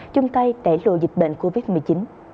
chung tay đẩy lùi dịch bệnh covid một mươi chín